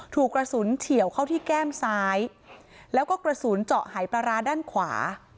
ถูกกระสุนเฉียวเข้าที่แก้มซ้ายแล้วก็กระสุนเจาะหายปลาร้าด้านขวา